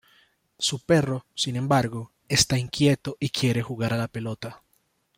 Su perro, sin embargo está inquieto y quiere jugar a la pelota.